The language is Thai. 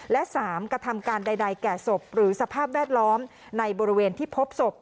และ๓กระทำการใดแก่ศพหรือสภาพแวดล้อมในบริเวณที่พบศพ